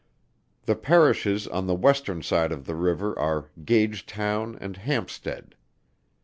The Parishes on the western side of the river are Gagetown and Hampstead.